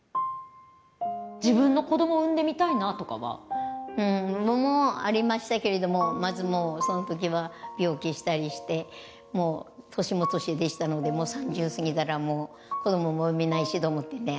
自分の子どもを産んでみたいなとかは？もありましたけれどもまずその時は病気したりしてもう年も年でしたので３０過ぎたらもう子どもも産めないしと思ってね。